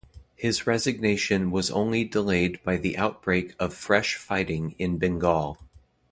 His resignation was only delayed by the outbreak of fresh fighting in Bengal.